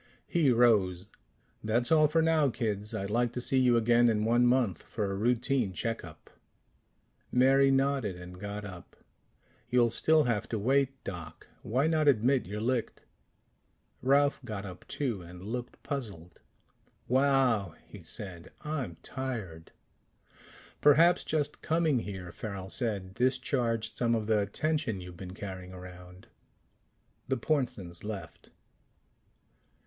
He rose. "That's all for now, kids. I'd like to see you again in one month for a routine check up." Mary nodded and got up. "You'll still have to wait, Doc. Why not admit you're licked?" Ralph got up too, and looked puzzled. "Wow," he said. "I'm tired." "Perhaps just coming here," Farrel said, "discharged some of the tension you've been carrying around." The Pornsens left.